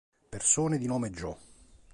Persone di nome Joe